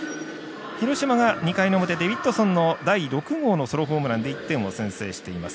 広島が２回の表デビッドソンソロホームランで１点を先制しています。